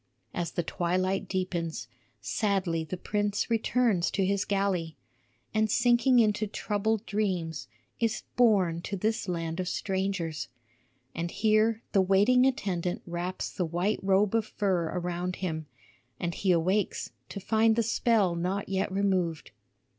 As the twilight deepens, sadly the prince returns to his galley, and sinking into troubled dreams, is borne to this land of strangers. And here the waiting attendant wraps the white robe of fur around him; and he awakes to find the spell not yet removed.